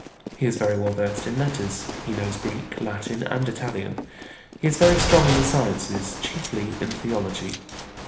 He is very well versed in letters: he knows Greek, Latin, and Italian. He is very strong in the sciences, chiefly in theology.